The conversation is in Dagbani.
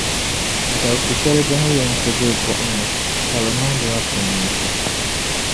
Dabsi’ shεli bɛ ni yɛn ti be buɣumni, kabɛ niŋdi ba furminsi.